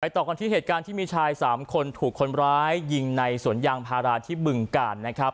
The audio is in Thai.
ต่อกันที่เหตุการณ์ที่มีชาย๓คนถูกคนร้ายยิงในสวนยางพาราที่บึงกาลนะครับ